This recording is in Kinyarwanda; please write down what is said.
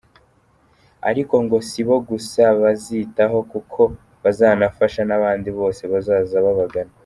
Ariko ngo si bo gusa bazitaho kuko bazanafasha n’abandi bose bazaza babagana.